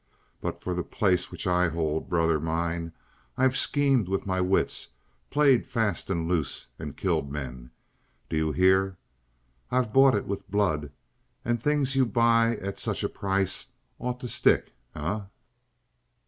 But for the place which I hold, brother mine, I've schemed with my wits, played fast and loose, and killed men. Do you hear? I've bought it with blood, and things you buy at such a price ought to stick, eh?"